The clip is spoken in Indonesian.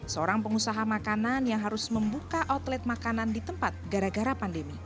seorang pengusaha makanan yang harus membuka outlet makanan di tempat gara gara pandemi